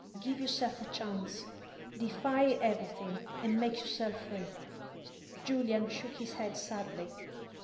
Give yourself a chance. Defy everything and make yourself free." Julian shook his head sadly.